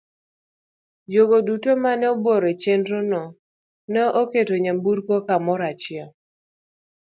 Jogo duto ma ne obworo e chenro no ne oketo nyamburko kamoro achiel.